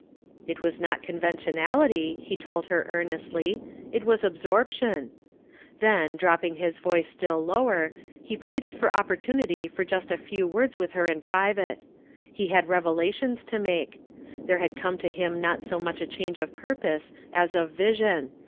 It was not conventionality, he told lier » arnestly, it was absorption. Then, dropping h'~ voice still lower, he pleaded for opport.iiiity for just a f»!W words with her in private, lie had revelations to make. There had come to him not so much a change of purpose as of vision.